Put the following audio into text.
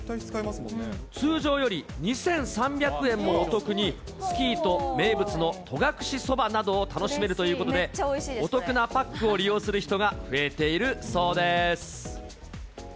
通常より２３００円もお得に、スキーと名物の戸隠そばなどを楽しめるということで、お得なパックを利用する人が増えているそうです。